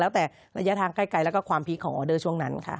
แล้วแต่ระยะทางใกล้แล้วก็ความพีคของออเดอร์ช่วงนั้นค่ะ